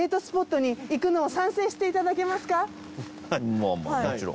スポットに行くのを賛成していただけますか？